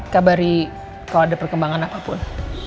kabari kalau ada perkembangan apapun